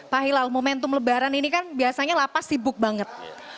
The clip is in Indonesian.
pak hilal momentum lebaran ini kan biasanya lapas sibuk banget